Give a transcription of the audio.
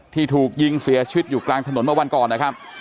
ที่ถูกยิงเสียชีวิตอยู่กลางถนนเมื่อวันก่อนนะครับ